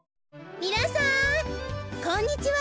みなさんこんにちは。